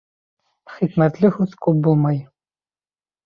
Хикмәтле һүҙ күп булмай.